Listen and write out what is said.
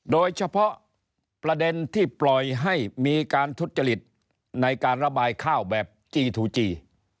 โดยเฉพาะประเด็นที่ปล่อยให้มีการทุจริตในการระบายข้าวแบบจีทูจี